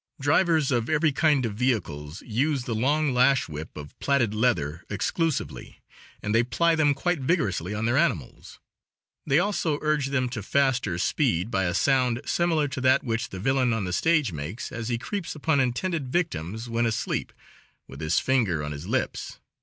Drivers of every kind of vehicles use the long lash whip of plaited leather exclusively, and they ply them quite vigorously on their animals; they also urge them to faster speed by a sound similar to that which the villain on the stage makes as he creeps upon intended victims when asleep, with his finger on his lips.